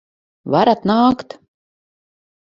Varat nākt!